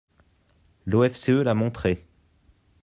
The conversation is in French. L’OFCE l’a montré.